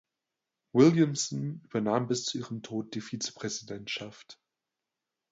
Williamson übernahm bis zu ihrem Tod die Vizepräsidentschaft.